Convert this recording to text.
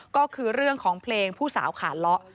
ก็คือเรื่องของเพลงผู้สาวขาเลาะ